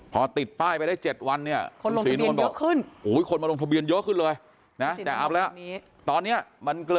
พอติดป้ายไปได้๗วันคุณศรีนวลบอก